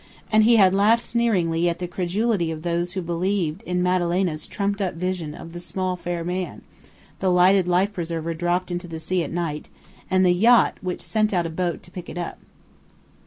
And he had laughed sneeringly at the credulity of those who believed in Madalena's trumped up vision "of the small fair man," the lighted life preserver dropped into the sea at night, and the yacht which sent out a boat to pick it up.